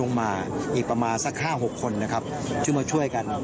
ลงมาอีกประมาณสักห้าหกคนนะครับช่วยมาช่วยกัน